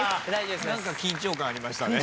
何か緊張感ありましたね。